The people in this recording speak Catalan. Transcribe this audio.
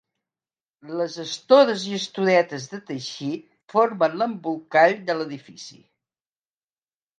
Les estores i estoretes de teixit formen l'embolcall de l'edifici.